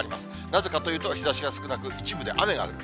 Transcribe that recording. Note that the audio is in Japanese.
なぜかというと、日ざしが少なく、一部で雨が降る。